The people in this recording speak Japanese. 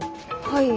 はい。